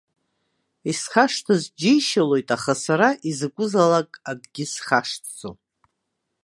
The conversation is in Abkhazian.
Исхашҭыз џьишьалоит, аха сара изакәызаалак акгьы схашҭӡом.